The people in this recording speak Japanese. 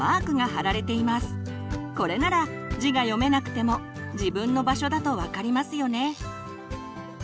これなら字が読めなくても自分の場所だと分かりますよね。